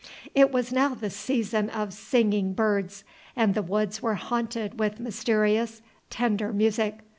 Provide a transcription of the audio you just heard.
It was now the season of singing birds, and the woods were haunted with mysterious, tender music.